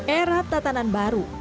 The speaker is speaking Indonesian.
era tatanan baru